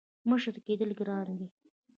• مشر کېدل ګران دي.